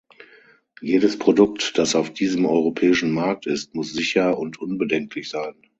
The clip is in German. Jedes Produkt, das auf diesem europäischen Markt ist, muss sicher und unbedenklich sein.